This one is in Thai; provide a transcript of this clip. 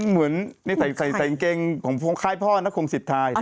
เหมือนทางแกงของชายพ่อน่ะคงสิททาย